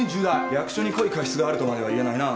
役所に故意過失があるとまでは言えないな。